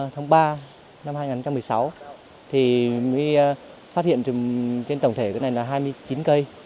tháng ba năm hai nghìn một mươi sáu thì mới phát hiện trên tổng thể cái này là hai mươi chín cây